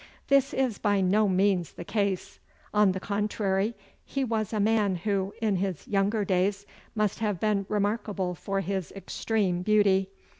This is by no means the case. On the contrary, he was a man who, in his younger days, must have been remarkable for his extreme beauty.